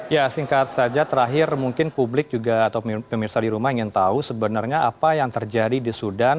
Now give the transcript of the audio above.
ya singkat saja terakhir mungkin publik juga atau pemirsa di rumah ingin tahu sebenarnya apa yang terjadi di sudan